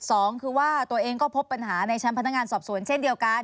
สองคือว่าตัวเองก็พบปัญหาในชั้นพนักงานสอบสวนเช่นเดียวกัน